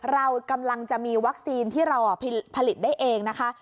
เรากำลังจะมีวัคซีนที่เราผลิตได้เองนะคะ